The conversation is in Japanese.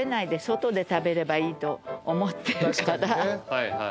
はいはい。